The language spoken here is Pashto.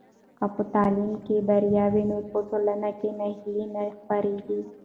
که په تعلیم کې بریا وي نو په ټولنه کې ناهیلي نه خپرېږي.